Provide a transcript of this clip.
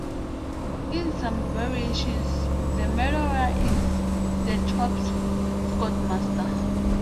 In some variations the murderer is the troop's Scoutmaster.